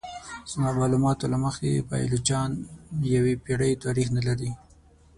زما معلومات له مخې پایلوچان یوې پیړۍ تاریخ نه لري.